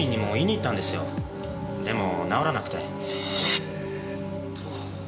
えっと。